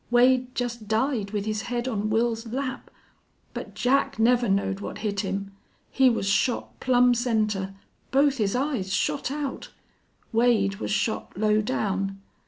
Wade just died with his head on Wils's lap. But Jack never knowed what hit him. He was shot plumb center both his eyes shot out!... Wade was shot low down....